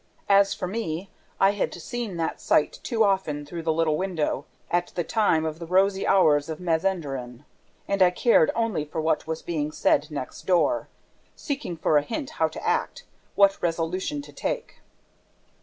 As for me, I had seen that sight too often, through the little window, at the time of the rosy hours of Mazenderan; and I cared only for what was being said next door, seeking for a hint how to act, what resolution to take.